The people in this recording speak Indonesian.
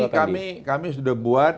ini kami sudah buat